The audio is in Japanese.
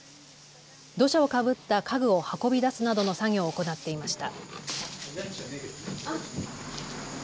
土砂をかぶった家具を運び出すなどの作業を行っていました。